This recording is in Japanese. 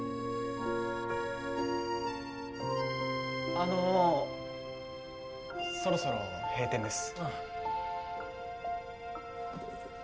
あのそろそろ閉店です。